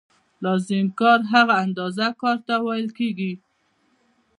لازم کار هغه اندازه کار ته ویل کېږي